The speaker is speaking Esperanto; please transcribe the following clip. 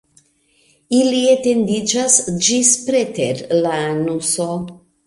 Ili etendiĝas ĝis preter la anuso.